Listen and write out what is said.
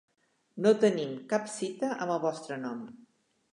No tenim cap cita amb el vostre nom.